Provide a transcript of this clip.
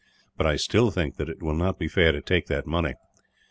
But I still think that it will not be fair to take that money."